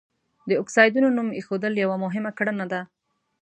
د اکسایډونو نوم ایښودل یوه مهمه کړنه ده.